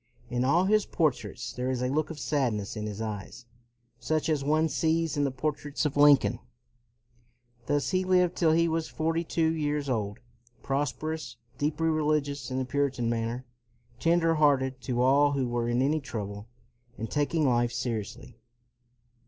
In all his portraits there is a look of sadness in his eyes, such as one sees in the portraits of Lincoln. Thus he lived till he was forty two years old, prosperous, deeply religious in the Puritan manner, tender hearted to all who were in any trouble, and taking life seri ously.